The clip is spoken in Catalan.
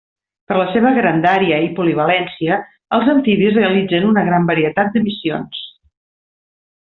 Per la seva grandària i polivalència els amfibis realitzen una gran varietat de missions.